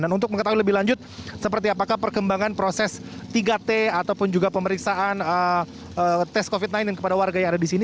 dan untuk mengetahui lebih lanjut seperti apakah perkembangan proses tiga t ataupun juga pemeriksaan tes covid sembilan belas kepada warga yang ada di sini